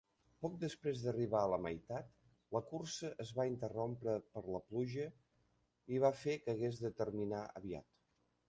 Poc després d'arribar a la meitat, la cursa es va interrompre per la pluja, i va fer que hagués de terminar aviat.